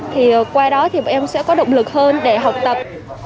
thì qua đó thì bọn em sẽ có động lực hơn để học tập